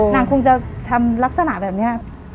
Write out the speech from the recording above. นางคงจะทำลักษณะแบบนี้